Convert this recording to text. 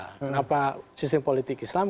kenapa sistem politik islam